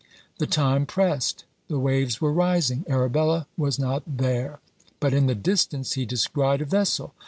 The time pressed; the waves were rising; Arabella was not there; but in the distance he descried a vessel.